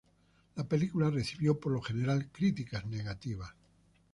La película recibió, por lo general, críticas negativas.